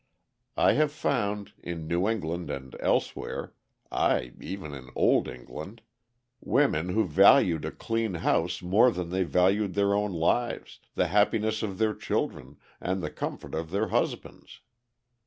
I have found, in New England and elsewhere, aye, even in Old England, women who valued a clean house more than they valued their own lives, the happiness of their children, and the comfort of their husbands.